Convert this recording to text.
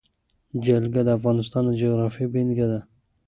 جلګه د افغانستان د جغرافیې بېلګه ده.